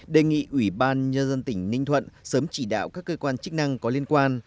đề nghị ủy ban nhân dân tỉnh ninh thuận sớm chỉ đạo các cơ quan chức năng có liên quan